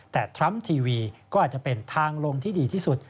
แต่ทรัมป์ทีวีก็อาจจะเป็นทางลงที่ดีที่สุด